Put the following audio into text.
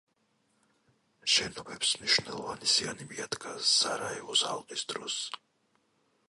შენობებს მნიშვნელოვანი ზიანი მიადგა სარაევოს ალყის დროს.